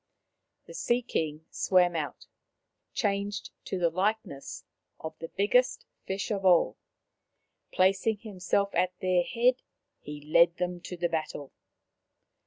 The Sea king swam out, changed to the likeness of the biggest fish of all. Placing himself at their head, he led them to the battle.